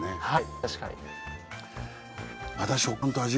はい。